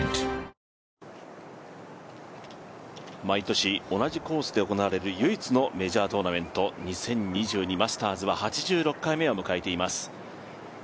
毎年、同じコースで行われる唯一のメジャートーナメント２０２２マスターズは８６回目を迎えています。